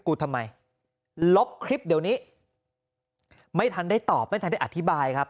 กูทำไมลบคลิปเดี๋ยวนี้ไม่ทันได้ตอบไม่ทันได้อธิบายครับ